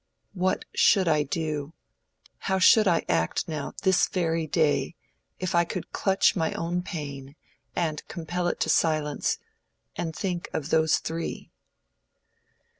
"What should I do—how should I act now, this very day, if I could clutch my own pain, and compel it to silence, and think of those three?"